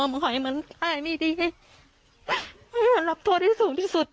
มาขอให้มันค่ายไม่ดีให้มันรับโทษได้สูงที่สุด